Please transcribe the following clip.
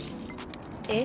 え？